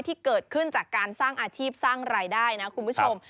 ที่เกิดขึ้นจากการสร้างอาชีพสร้างรายได้นะคุณผู้ชม